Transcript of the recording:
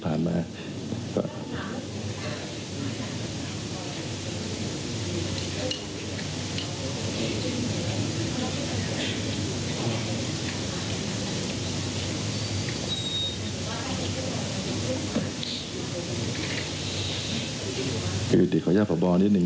อย่างที่บอกแล้วมันไม่เคยเกิดขึ้นเลยนะครับตำรวจเอง